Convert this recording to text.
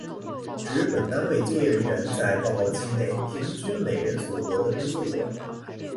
指本单位就业人员在报告期内平均每人所得的工资额。